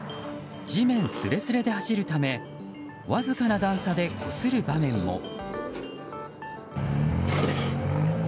地面すれすれで走るためわずかな段差でこする場面も。